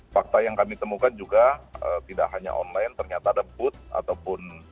fakta yang kami temukan juga tidak hanya online ternyata ada booth ataupun